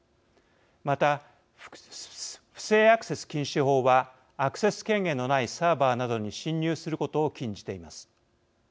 また、不正アクセス禁止法はアクセス権限のないサーバーなどに侵入することを禁じています。